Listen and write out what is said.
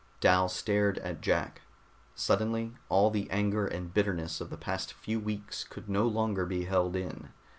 Dal stared at Jack. Suddenly all the anger and bitterness of the past few weeks could no longer be held in.